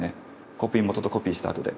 コピー元とコピーしたあとで。